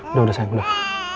udah udah sayang udah